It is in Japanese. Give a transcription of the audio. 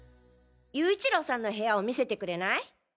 勇一郎さんの部屋を見せてくれない？